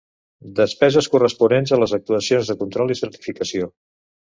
Despeses corresponents a les actuacions de control i certificació.